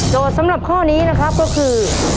สำหรับข้อนี้นะครับก็คือ